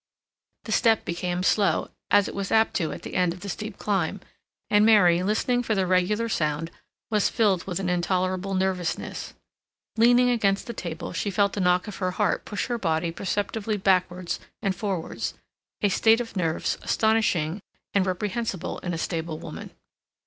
The step became slow, as it was apt to do at the end of the steep climb, and Mary, listening for the regular sound, was filled with an intolerable nervousness. Leaning against the table, she felt the knock of her heart push her body perceptibly backwards and forwards—a state of nerves astonishing and reprehensible in a stable woman.